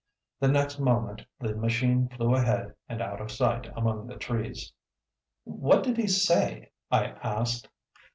The next moment the machine flew ahead and out of sight among the trees. "What did he say?" I asked.